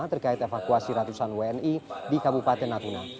terkait evakuasi ratusan wni di kabupaten natuna